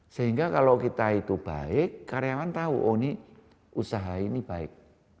sehingga kalau kita itu baik karyawan tahu oh ini usaha ini baik